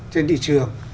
trên thị trường